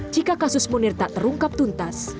jika kasus munir tak terungkap tuntas